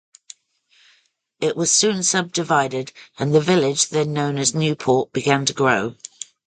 It was soon subdivided, and the village, then known as Newport, began to grow.